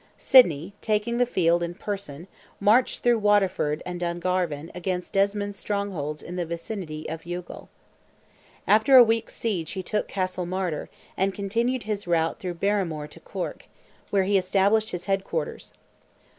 Sidney, taking the field in person, marched through Waterford and Dungarvan against Desmond's strongholds in the vicinity of Youghal. After a week's siege he took Castlemartyr, and continued his route through Barrymore to Cork, where he established his head quarters.